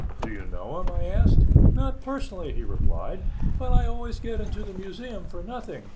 "Do you know him?" I asked. "Not personally," he replied; "but I always get into the Museum for nothing.